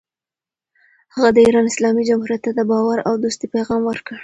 هغه د ایران اسلامي جمهوریت ته د باور او دوستۍ پیغام ورکړ.